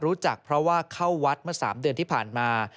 รู้จักเพราะว่าเข้าวัดเมื่อ๓เดือนที่ผ่านมา